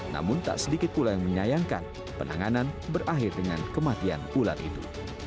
namun tak sedikit pula yang menyayangkan penanganan berakhir dengan kematian ular itu